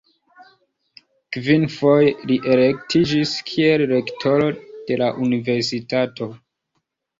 Kvinfoje li elektiĝis kiel rektoro de la universitato.